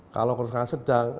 kalau kerusakan sedang